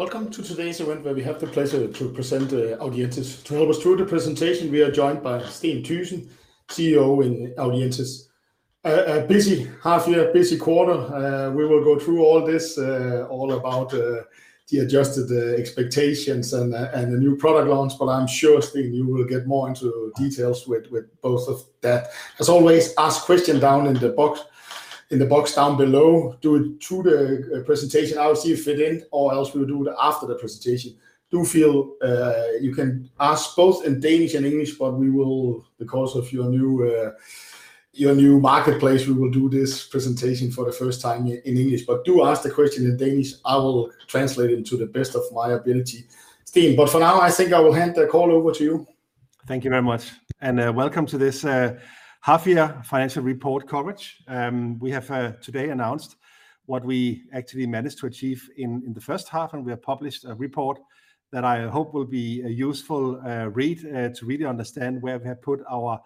Welcome to today's event where we have the pleasure to present Audientes. To help us through the presentation we are joined by Steen Thygesen, CEO of Audientes. A busy half year, busy quarter. We will go through all this, all about the adjusted expectations and the new product launch, but I'm sure, Steen, you will get more into details with both of that. As always, ask question down in the box down below. Do it through the presentation, I will see if fit in, or else we will do it after the presentation. Do feel you can ask both in Danish and English, but we will because of your new marketplace, we will do this presentation for the first time in English. Do ask the question in Danish. I will translate into the best of my ability, Steen. For now, I think I will hand the call over to you. Thank you very much. Welcome to this half year financial report coverage. We have today announced what we actually managed to achieve in the first half, and we have published a report that I hope will be a useful read to really understand where we have put our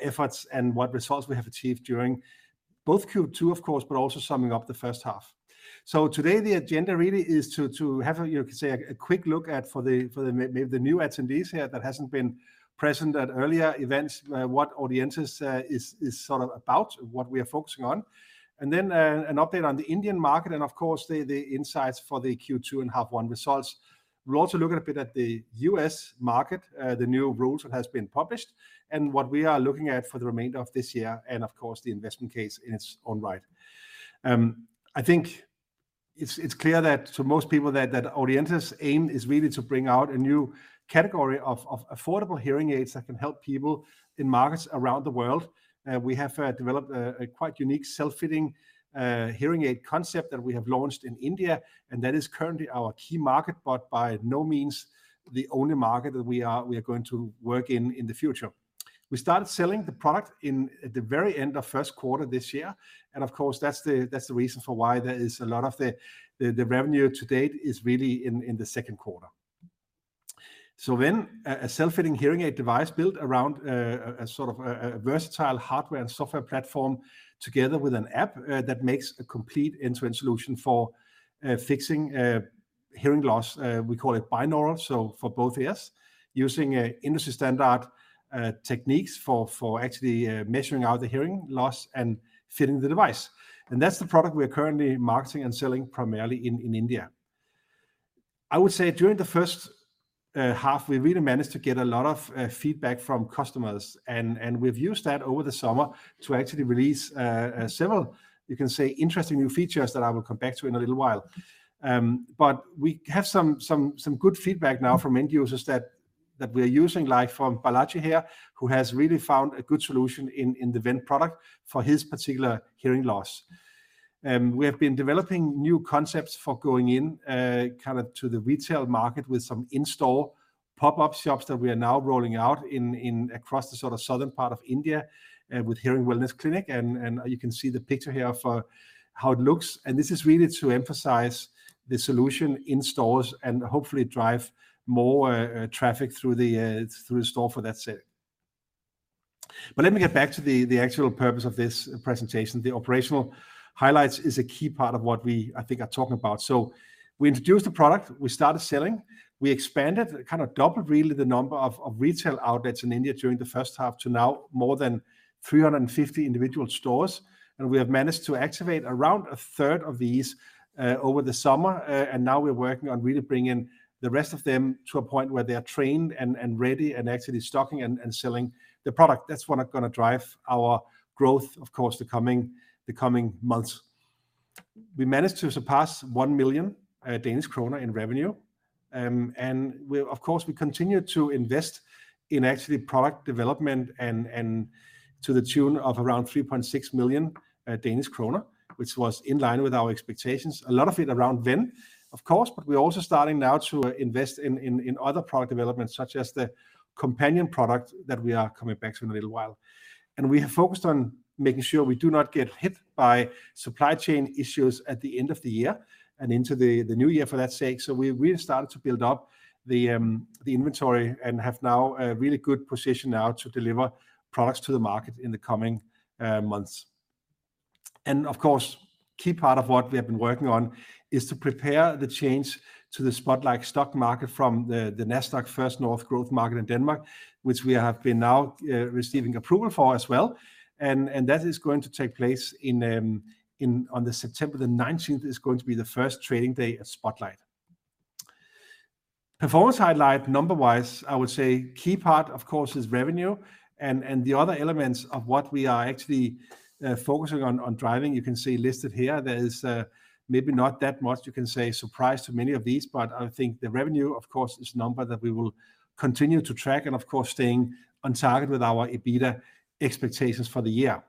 efforts and what results we have achieved during both Q2 of course, but also summing up the first half. Today, the agenda really is to have a you could say a quick look at maybe the new attendees here that hasn't been present at earlier events what Audientes is sort of about, what we are focusing on. An update on the Indian market and of course the insights for the Q2 and half one results. We'll also look a bit at the U.S. market, the new rules that has been published and what we are looking at for the remainder of this year, and of course the investment case in its own right. I think it's clear that to most people that Audientes aim is really to bring out a new category of affordable hearing aids that can help people in markets around the world. We have developed a quite unique self-fitting hearing aid concept that we have launched in India, and that is currently our key market, but by no means the only market that we are going to work in in the future. We started selling the product in at the very end of first quarter this year, and of course that's the reason for why there is a lot of the revenue to date is really in the second quarter. A self-fitting hearing aid device built around a sort of a versatile hardware and software platform together with an app that makes a complete end-to-end solution for fixing hearing loss. We call it binaural, so for both ears. Using industry standard techniques for actually measuring out the hearing loss and fitting the device. That's the product we are currently marketing and selling primarily in India. I would say during the first half we really managed to get a lot of feedback from customers and we've used that over the summer to actually release several, you can say, interesting new features that I will come back to in a little while. But we have some good feedback now from end users that we are using, like from Balaji here, who has really found a good solution in the Ven product for his particular hearing loss. We have been developing new concepts for going in kind of to the retail market with some in-store pop-up shops that we are now rolling out in across the sort of southern part of India with Hearing Wellness Clinic. You can see the picture here for how it looks. This is really to emphasize the solution in stores and hopefully drive more traffic through the store for that sake. Let me get back to the actual purpose of this presentation. The operational highlights is a key part of what we, I think, are talking about. We introduced the product, we started selling, we expanded, kind of doubled really the number of retail outlets in India during the first half to now more than 350 individual stores. We have managed to activate around a third of these over the summer. Now we're working on really bringing the rest of them to a point where they're trained and ready and actually stocking and selling the product. That's what are gonna drive our growth, of course, the coming months. We managed to surpass 1 million Danish kroner in revenue. We, of course, continued to invest in actually product development and to the tune of around 3.6 million Danish kroner, which was in line with our expectations. A lot of it around Ven, of course, but we're also starting now to invest in other product developments such as the Companion product that we are coming back to in a little while. We have focused on making sure we do not get hit by supply chain issues at the end of the year and into the new year for that sake. We have started to build up the inventory and have now a really good position to deliver products to the market in the coming months. Of course, key part of what we have been working on is to prepare the change to the Spotlight Stock Market from the Nasdaq First North Growth Market in Denmark, which we have been receiving approval for as well. That is going to take place on September 19th, which is going to be the first trading day at Spotlight. Performance highlight number-wise, I would say key part, of course, is revenue and the other elements of what we are actually focusing on driving, you can see listed here. There is maybe not that much you can say is a surprise to many of these, but I think the revenue, of course, is a number that we will continue to track and of course staying on target with our EBITDA expectations for the year,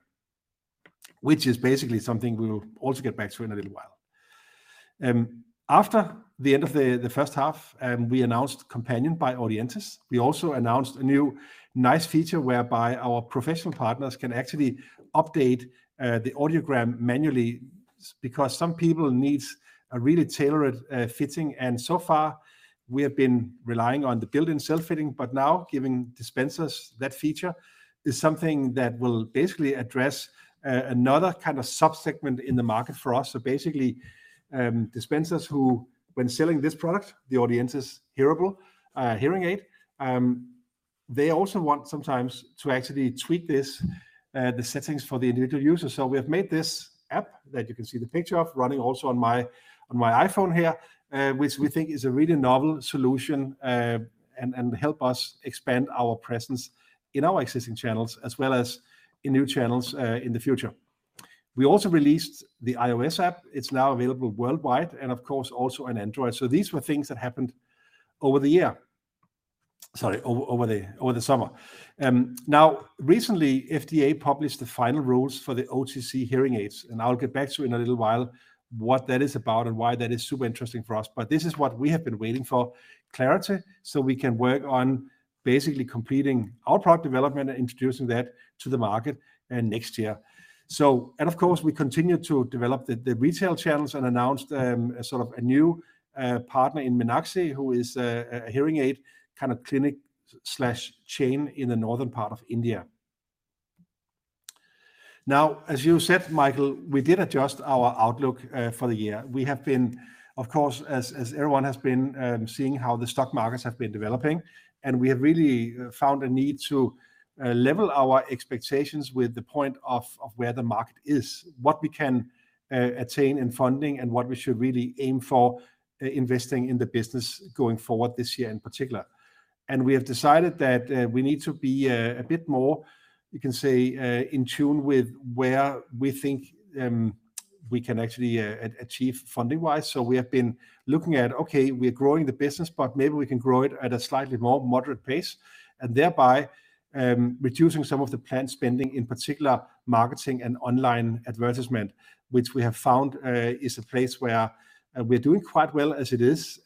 which is basically something we will also get back to in a little while. After the end of the first half, we announced Companion by Audientes. We also announced a new nice feature whereby our professional partners can actually update the audiogram manually because some people needs a really tailored fitting. So far we have been relying on the built-in self-fitting, but now giving dispensers that feature is something that will basically address another kind of sub-segment in the market for us. Basically, dispensers who when selling this product, the Audientes hearable, hearing aid, they also want sometimes to actually tweak this, the settings for the individual user. We have made this app that you can see the picture of running also on my iPhone here, which we think is a really novel solution, and help us expand our presence in our existing channels as well as in new channels, in the future. We also released the iOS app. It's now available worldwide and of course also on Android. These were things that happened over the year, sorry, over the summer. Now recently, FDA published the final rules for the OTC hearing aids, and I'll get back to you in a little while what that is about and why that is super interesting for us. This is what we have been waiting for, clarity, so we can work on basically completing our product development and introducing that to the market next year. Of course, we continue to develop the retail channels and announced a sort of a new partner in Meenakshi who is a hearing aid kind of clinic chain in the northern part of India. Now, as you said, Michael, we did adjust our outlook for the year. We have been, of course, as everyone has been, seeing how the stock markets have been developing, and we have really found a need to level our expectations with the point of where the market is, what we can attain in funding, and what we should really aim for, investing in the business going forward this year in particular. We have decided that we need to be a bit more, you can say, in tune with where we think we can actually achieve funding-wise. We have been looking at, okay, we're growing the business, but maybe we can grow it at a slightly more moderate pace, and thereby reducing some of the planned spending, in particular marketing and online advertisement, which we have found is a place where we're doing quite well as it is.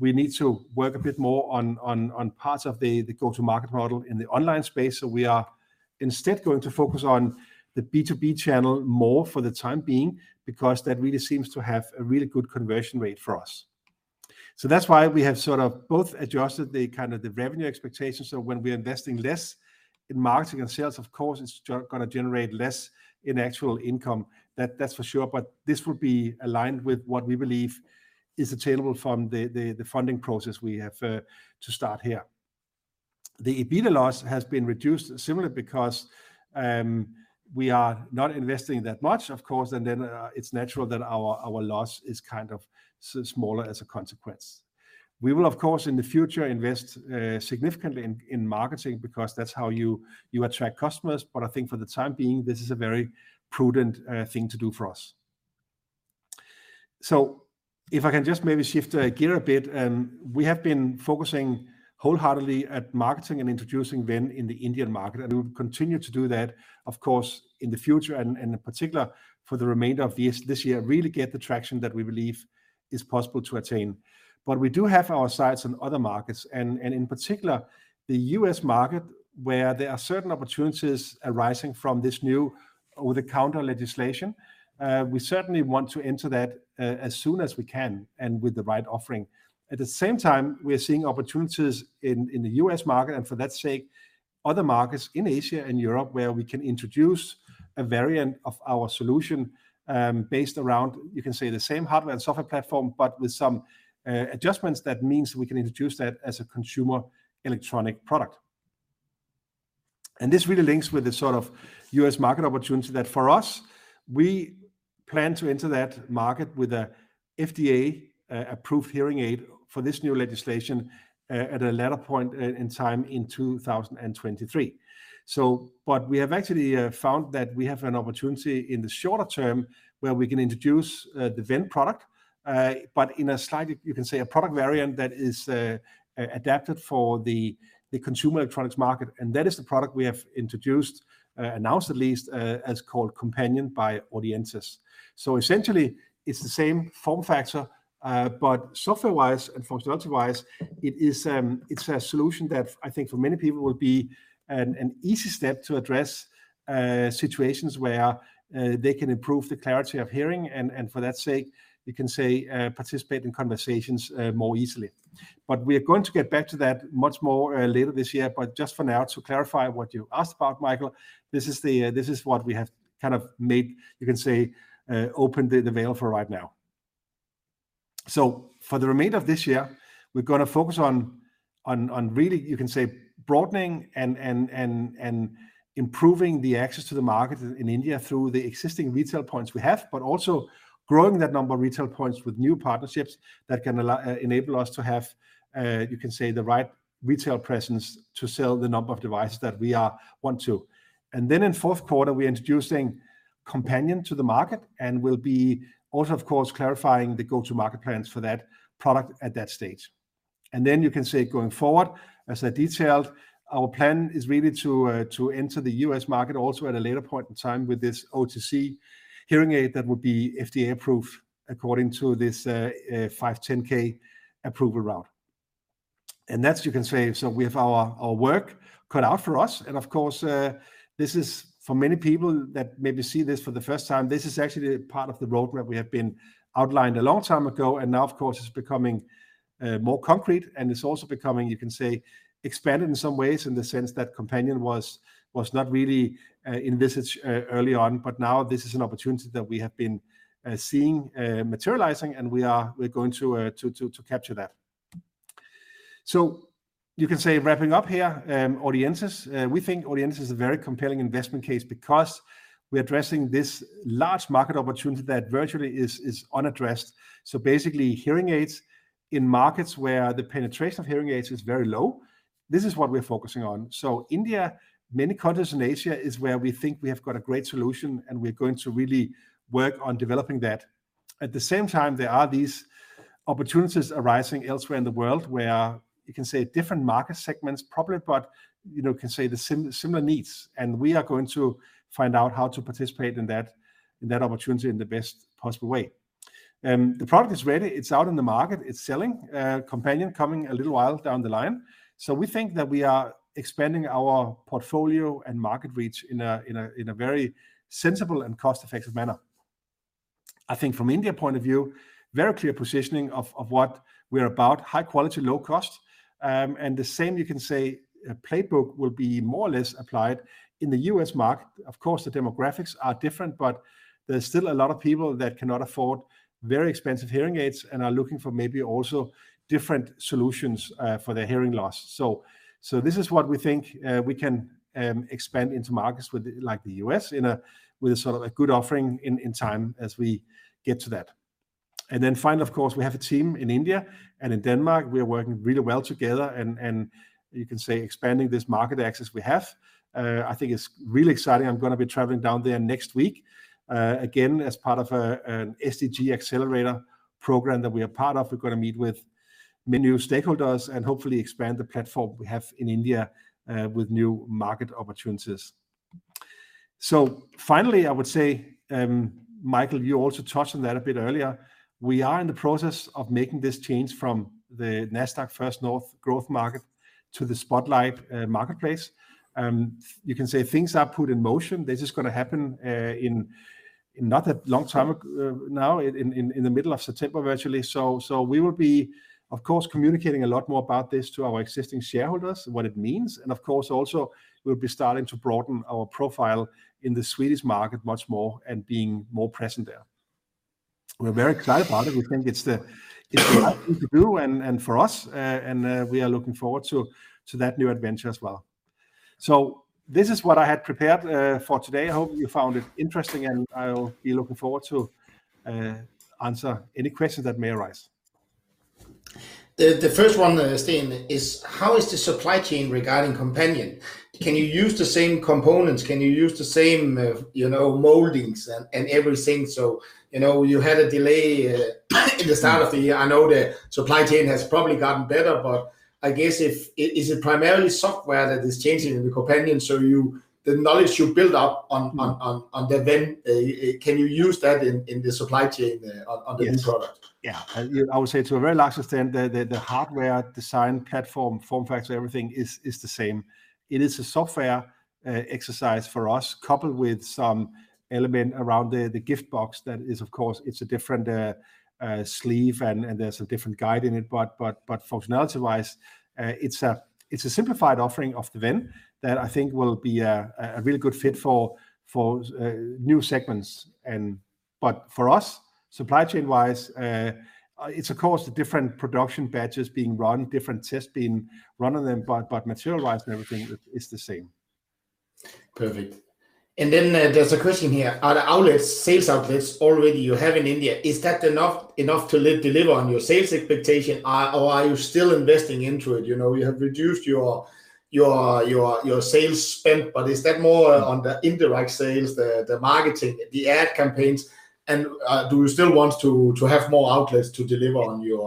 We need to work a bit more on parts of the go-to-market model in the online space. We are instead going to focus on the B2B channel more for the time being because that really seems to have a really good conversion rate for us. That's why we have sort of both adjusted the kind of the revenue expectations. When we are investing less in marketing and sales, of course, it's just gonna generate less in actual income. That's for sure, but this will be aligned with what we believe is attainable from the funding process we have to start here. The EBITDA loss has been reduced similarly because we are not investing that much, of course, and then it's natural that our loss is kind of smaller as a consequence. We will of course in the future invest significantly in marketing because that's how you attract customers. I think for the time being this is a very prudent thing to do for us. If I can just maybe shift gear a bit. We have been focusing wholeheartedly at marketing and introducing Ven in the Indian market, and we will continue to do that of course in the future and in particular for the remainder of this year, really get the traction that we believe is possible to attain. We do have our sights on other markets and in particular the U.S. market where there are certain opportunities arising from this new over-the-counter legislation. We certainly want to enter that as soon as we can and with the right offering. At the same time, we are seeing opportunities in the U.S. market and for that sake, other markets in Asia and Europe where we can introduce a variant of our solution, based around, you can say the same hardware and software platform, but with some adjustments that means we can introduce that as a consumer electronics product. This really links with the sort of U.S. market opportunity that for us, we plan to enter that market with a FDA-approved hearing aid for this new legislation, at a later point in time in 2023. We have actually found that we have an opportunity in the shorter term where we can introduce the Ven product, but in a slightly, you can say a product variant that is adapted for the consumer electronics market. That is the product we have introduced, announced at least, as called Companion by Audientes. Essentially it's the same form factor, but software-wise and functionality-wise, it's a solution that I think for many people will be an easy step to address situations where they can improve the clarity of hearing and for that sake, you can say, participate in conversations more easily. We are going to get back to that much more later this year. Just for now, to clarify what you asked about, Michael, this is what we have kind of made, you can say, opened the veil for right now. For the remainder of this year, we're gonna focus on really you can say broadening and improving the access to the market in India through the existing retail points we have, but also growing that number of retail points with new partnerships that can enable us to have you can say the right retail presence to sell the number of device that we want to. In fourth quarter we are introducing Companion to the market, and we'll be also of course clarifying the go-to-market plans for that product at that stage. You can say going forward, as I detailed, our plan is really to enter the U.S. market also at a later point in time with this OTC hearing aid that would be FDA approved according to this 510 approval route. That's, you can say, so we have our work cut out for us. Of course, this is for many people that maybe see this for the first time. This is actually part of the roadmap we have outlined a long time ago. Now of course it's becoming more concrete, and it's also becoming, you can say, expanded in some ways in the sense that Companion was not really envisaged early on. Now this is an opportunity that we have been seeing materializing, and we are, we're going to capture that. You can say wrapping up here, Audientes. We think Audientes is a very compelling investment case because we're addressing this large market opportunity that virtually is unaddressed. Basically hearing aids in markets where the penetration of hearing aids is very low, this is what we're focusing on. India, many countries in Asia is where we think we have got a great solution, and we're going to really work on developing that. At the same time, there are these opportunities arising elsewhere in the world where you can say different market segments probably, but, you know, can say the similar needs. We are going to find out how to participate in that, in that opportunity in the best possible way. The product is ready. It's out in the market. It's selling. Companion coming a little while down the line. We think that we are expanding our portfolio and market reach in a very sensible and cost-effective manner. I think from India point of view, very clear positioning of what we're about. High quality, low cost. The same you can say a playbook will be more or less applied in the U.S. market. Of course, the demographics are different, but there's still a lot of people that cannot afford very expensive hearing aids and are looking for maybe also different solutions for their hearing loss. This is what we think we can expand into markets with, like the U.S. in a with a sort of a good offering in time as we get to that. Finally, of course, we have a team in India and in Denmark. We are working really well together and you can say expanding this market access we have. I think it's really exciting. I'm gonna be traveling down there next week, again, as part of an SDG accelerator program that we are part of. We're gonna meet with many new stakeholders and hopefully expand the platform we have in India, with new market opportunities. Finally, I would say, Michael, you also touched on that a bit earlier. We are in the process of making this change from the Nasdaq First North Growth Market to the Spotlight Stock Market. You can say things are put in motion. This is gonna happen now, in the middle of September, virtually. We will be, of course, communicating a lot more about this to our existing shareholders, what it means. Of course, also we'll be starting to broaden our profile in the Swedish market much more and being more present there. We're very excited about it. We think it's the right thing to do and for us, we are looking forward to that new adventure as well. This is what I had prepared for today. I hope you found it interesting, and I'll be looking forward to answer any questions that may arise. The first one, Steen, is how is the supply chain regarding Companion? Can you use the same components? Can you use the same, you know, moldings and everything? You know, you had a delay in the start of the year. I know the supply chain has probably gotten better, but I guess if. Is it primarily software that is changing the Companion, so the knowledge you build up on the Ven, can you use that in the supply chain on the new product? Yes. Yeah. I would say to a very large extent the hardware design platform, form factor, everything is the same. It is a software exercise for us coupled with some element around the gift box. That is of course, it's a different sleeve and there's a different guide in it, but functionality-wise, it's a simplified offering of the Ven that I think will be a really good fit for new segments. For us, supply chain-wise, it's of course the different production batches being run, different tests being run on them, but material-wise and everything is the same. Perfect. Then there's a question here. Are the outlets, sales outlets already you have in India, is that enough to deliver on your sales expectation? Or are you still investing into it? You know, you have reduced your sales spend, but is that more on the indirect sales, the marketing, the ad campaigns? Do you still want to have more outlets to deliver on your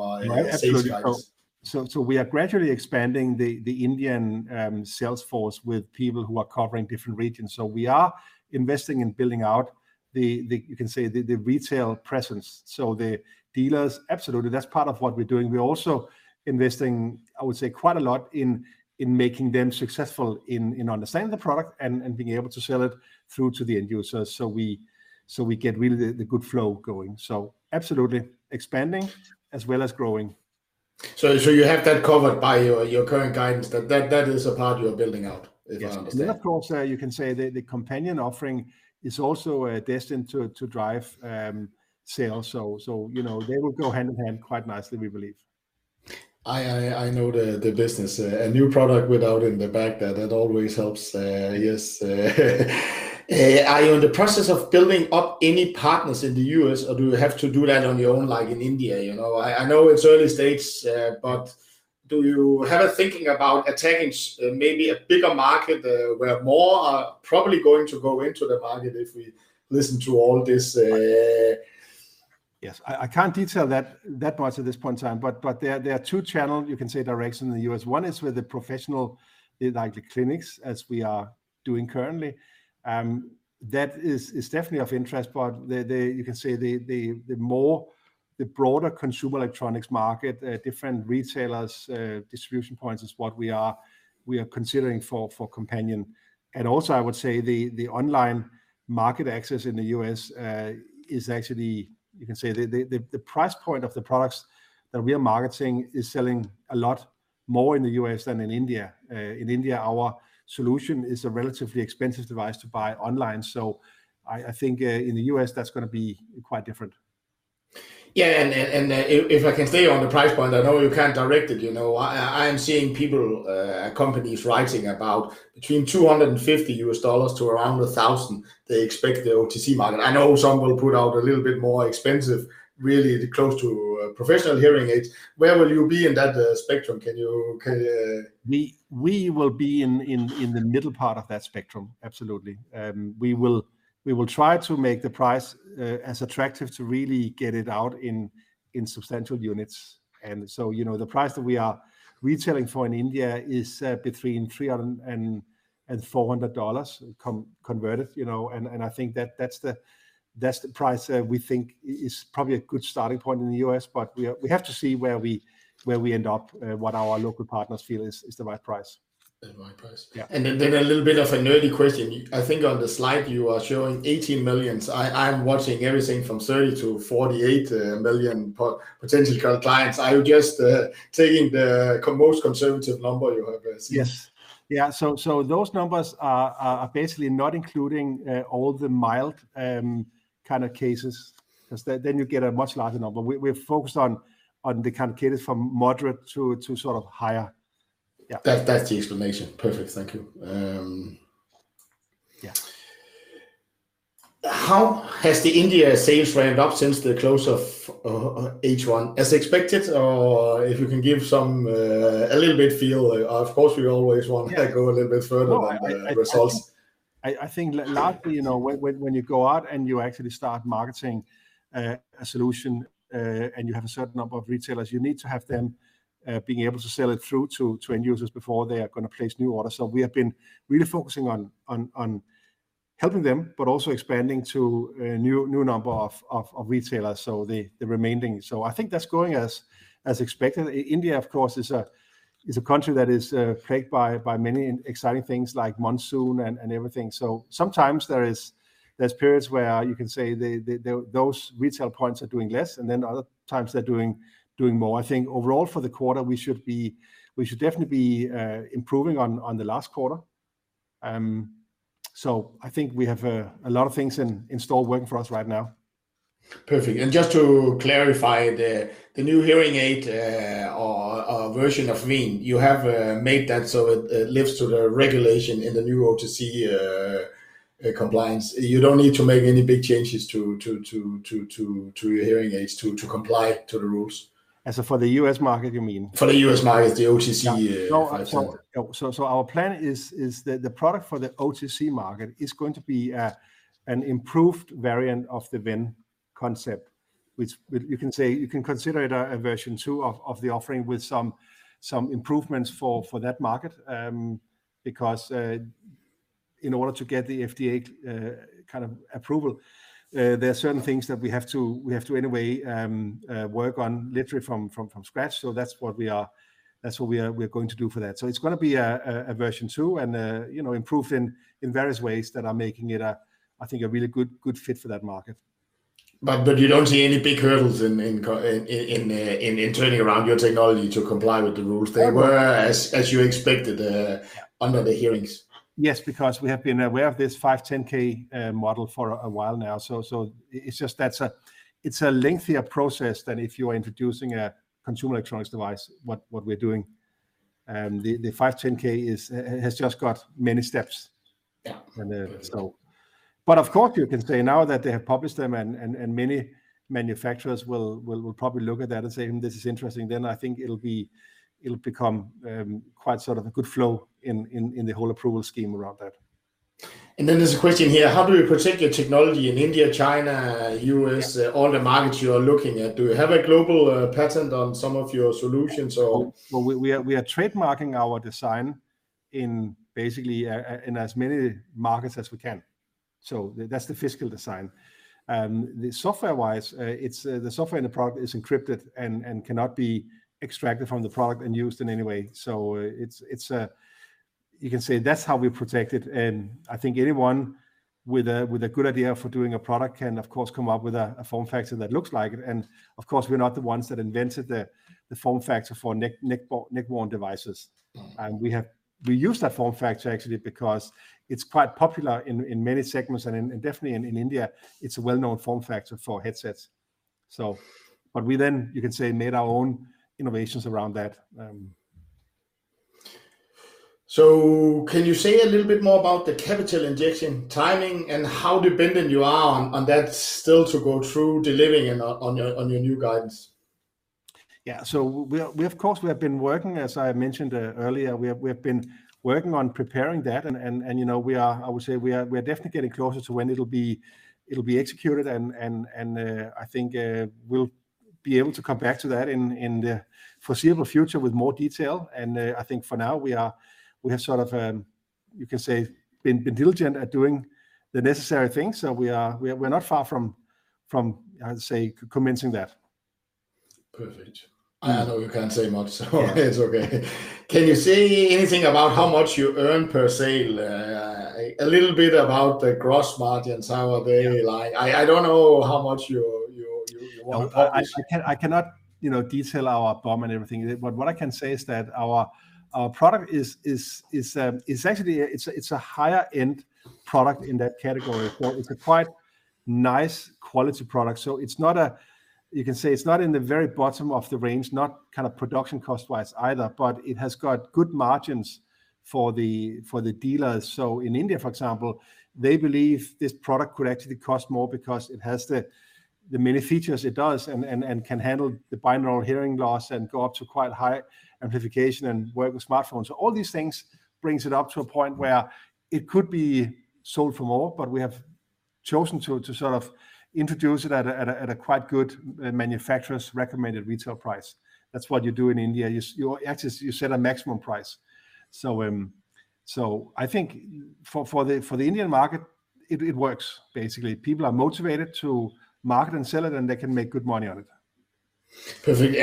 sales targets? Right. Absolutely. We are gradually expanding the Indian sales force with people who are covering different regions. We are investing in building out the, you can say, the retail presence. The dealers, absolutely, that's part of what we're doing. We're also investing, I would say, quite a lot in making them successful in understanding the product and being able to sell it through to the end users. We get really the good flow going. Absolutely expanding as well as growing. You have that covered by your current guidance, that is a part you are building out, if I understand. Yes. Of course, you can say the Companion offering is also destined to drive sales. So, you know, they will go hand in hand quite nicely we believe. I know the business. A new product with audio in the back there, that always helps. Yes. Are you in the process of building up any partners in the U.S., or do you have to do that on your own like in India, you know? I know it's early stages, but do you have a thinking about attacking maybe a bigger market, where more are probably going to go into the market if we listen to all this? Yes. I can't detail that much at this point in time, but there are two channels, you can say, directions in the U.S. One is with the professionals, like the clinics as we are doing currently. That is definitely of interest, but you can say the broader consumer electronics market, different retailers, distribution points is what we are considering for Companion. I would say the online market access in the U.S. is actually you can say the price point of the products that we are marketing is selling a lot more in the U.S. than in India. In India, our solution is a relatively expensive device to buy online. I think in the U.S. that's gonna be quite different. Yeah. If I can stay on the price point, I know you can't predict it, you know. I am seeing people, companies writing about between $250-$1,000 they expect the OTC market. I know some will put out a little bit more expensive, really close to professional hearing aids. Where will you be in that spectrum? Can you We will be in the middle part of that spectrum. Absolutely. We will try to make the price as attractive to really get it out in substantial units. You know, the price that we are retailing for in India is between $300 and $400 converted, you know. I think that that's the price we think is probably a good starting point in the U.S. We have to see where we end up, what our local partners feel is the right price. The right price. Yeah. A little bit of a nerdy question. I think on the slide you are showing 18 million. I'm watching everything from 30 million-48 million potential clients. Are you just taking the most conservative number you have received? Yes. Yeah, those numbers are basically not including all the mild kind of cases. 'Cause then you get a much larger number. We're focused on the kind of cases from moderate to sort of higher. Yeah. That, that's the explanation. Perfect, thank you. Yeah. How has the India sales ramped up since the close of H1? As expected or if you can give some a little bit feel. Of course, we always want to. Yeah. Go a little bit further than the results. I think largely, you know, when you go out and you actually start marketing a solution and you have a certain number of retailers, you need to have them being able to sell it through to end users before they are gonna place new orders. We have been really focusing on helping them, but also expanding to a new number of retailers, so the remaining. I think that's going as expected. India, of course, is a country that is plagued by many exciting things like monsoon and everything. Sometimes there are periods where you can say those retail points are doing less, and then other times they're doing more. I think overall for the quarter, we should definitely be improving on the last quarter. I think we have a lot of things in store working for us right now. Perfect. Just to clarify, the new hearing aid, or version of Ven, you have made that so it lives up to the regulation in the new OTC compliance. You don't need to make any big changes to your hearing aids to comply to the rules? As for the U.S. market, you mean? For the U.S. market, the OTC, 510(k). Yeah. No, absolutely. Our plan is the product for the OTC market is going to be an improved variant of the Ven concept, which you can say, you can consider it a version two of the offering with some improvements for that market. Because in order to get the FDA kind of approval, there are certain things that we have to anyway work on literally from scratch. That's what we are, we're going to do for that. It's gonna be a version two, and you know, improved in various ways that are making it, I think, a really good fit for that market. You don't see any big hurdles in turning around your technology to comply with the rules? They were as you expected under the hearings? Yes, because we have been aware of this 510(k) model for a while now. It's just that it's a lengthier process than if you are introducing a consumer electronics device, what we're doing. The 510(k) has just got many steps. Yeah. Of course, you can say now that they have published them, and many manufacturers will probably look at that and say, "This is interesting," then I think it'll become quite sort of a good flow in the whole approval scheme around that. There's a question here. How do you protect your technology in India, China, U.S., all the markets you are looking at? Do you have a global patent on some of your solutions or? Well, we are trademarking our design in basically in as many markets as we can. That's the physical design. The software-wise, it's the software in the product is encrypted and cannot be extracted from the product and used in any way. It's, you can say, that's how we protect it. I think anyone with a good idea for doing a product can, of course, come up with a form factor that looks like it. Of course, we're not the ones that invented the form factor for neck-worn devices. Mm-hmm. We use that form factor actually because it's quite popular in many segments, and definitely in India, it's a well-known form factor for headsets. But we then, you can say, made our own innovations around that. Can you say a little bit more about the capital injection timing and how dependent you are on that still to go through delivering on your new guidance? Yeah. We of course have been working, as I mentioned earlier, on preparing that and, you know, I would say we are definitely getting closer to when it'll be executed. I think we'll be able to come back to that in the foreseeable future with more detail. I think for now we are, we have sort of, you can say, been diligent at doing the necessary things. We are, we're not far from, I'd say, commencing that. Perfect. I know you can't say much, so it's okay. Can you say anything about how much you earn per sale? A little bit about the gross margins, how are they like? I don't know how much you wanna publish. I cannot, you know, detail our BOM and everything. What I can say is that our product is actually a higher end product in that category. It's a quite nice quality product. It's not, you can say it's not in the very bottom of the range, not kind of production cost-wise either, but it has got good margins for the dealers. In India, for example, they believe this product could actually cost more because it has the many features it does, and can handle the binaural hearing loss and go up to quite high amplification and work with smartphones. All these things brings it up to a point where it could be sold for more, but we have chosen to sort of introduce it at a quite good manufacturer's recommended retail price. That's what you do in India. You actually set a maximum price. I think for the Indian market, it works basically. People are motivated to market and sell it, and they can make good money on it. Perfect.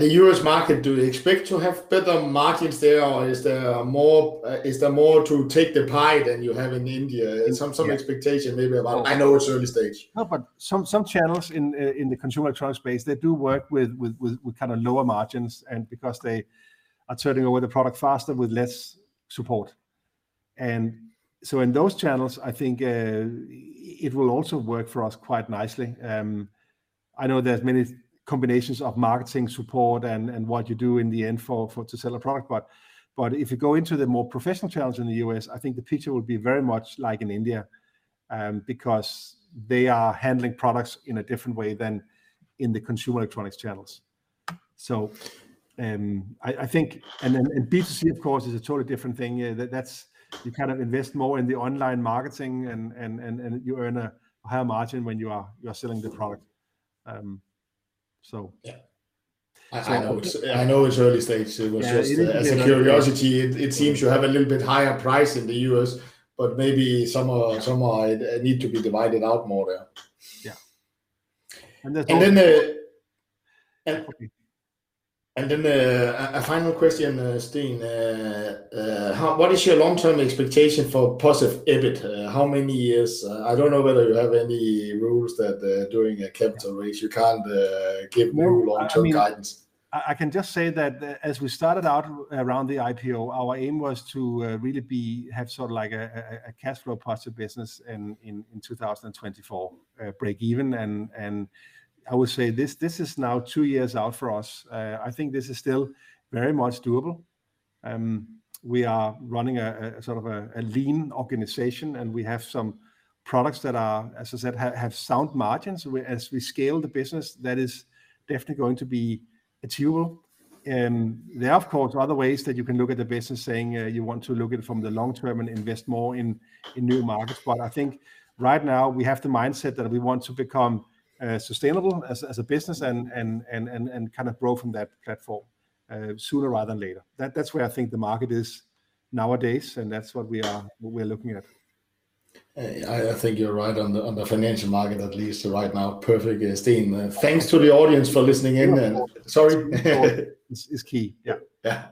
The U.S. market, do they expect to have better margins there, or is there more to take the pie than you have in India? Yeah. Some expectation maybe about. I know it's early stage. No, but some channels in the consumer electronics space, they do work with kind of lower margins, and because they are turning over the product faster with less support. In those channels, I think it will also work for us quite nicely. I know there's many combinations of marketing support and what you do in the end for to sell a product, but if you go into the more professional channels in the U.S., I think the picture will be very much like in India, because they are handling products in a different way than in the consumer electronics channels. I think B2C of course is a totally different thing. Yeah, that's you kind of invest more in the online marketing and you earn a higher margin when you are selling the product. Yeah. I know it's early stage. Yeah. It was just as a curiosity. It seems you have a little bit higher price in the U.S. but maybe some are need to be divided out more there. Yeah. A final question, Steen. What is your long-term expectation for positive EBIT? How many years? I don't know whether you have any rules that during a capital raise you can't give new long-term guidance. No, I mean, I can just say that, as we started out around the IPO, our aim was to really have sort of like a cash flow positive business in 2024, break even. I would say this is now two years out for us. I think this is still very much doable. We are running a sort of a lean organization, and we have some products that are, as I said, have sound margins. As we scale the business, that is definitely going to be achievable. There are of course other ways that you can look at the business saying, you want to look at it from the long term and invest more in new markets. I think right now we have the mindset that we want to become sustainable as a business and kind of grow from that platform sooner rather than later. That's where I think the market is nowadays, and that's what we're looking at. I think you're right on the financial market, at least right now. Perfect, Steen. Thanks to the audience for listening in. Yeah. Sorry. It's key. Yeah.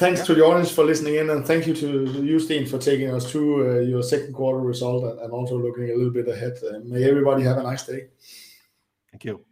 Yeah. Thanks to the audience for listening in, and thank you to you, Steen, for taking us through your second quarter result and also looking a little bit ahead. May everybody have a nice day. Thank you.